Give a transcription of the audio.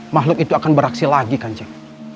makhluk itu akan beraksi lagi kan cik